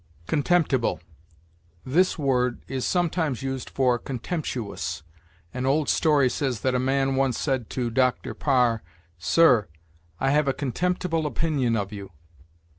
CONTEMPTIBLE. This word is sometimes used for contemptuous. An old story says that a man once said to Dr. Parr, "Sir, I have a contemptible opinion of you."